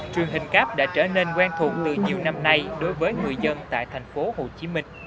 truyền hình cáp đã trở nên quen thuộc từ nhiều năm nay đối với người dân tại tp hcm